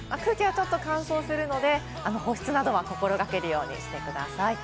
空気はちょっと乾燥するので、保湿などは心掛けるようにしてください。